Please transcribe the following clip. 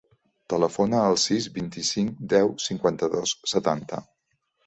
Telefona al sis, vint-i-cinc, deu, cinquanta-dos, setanta.